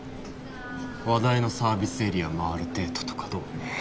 話題のサービスエリア回るデートとかどう？